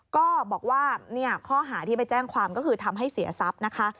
ก็บอกว่าข้อหาที่ไปแจ้งความก็คือทำให้เสียทรัพย์นะคะ